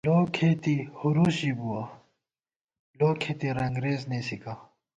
لو کھېتی ہُروس ژِی بُوَہ ، لو کھېتی رنگرېز نېسی گہ